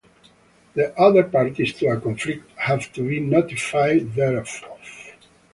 The other parties to a conflict have to be notified thereof.